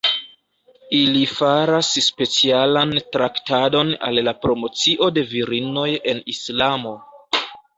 Ili faras specialan traktadon al la promocio de virinoj en Islamo.